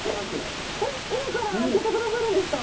今から開けてくださるんですか？